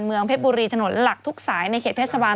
เพชรบุรีถนนหลักทุกสายในเขตเทศบาล